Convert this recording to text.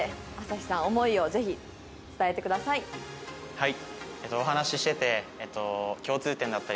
はい。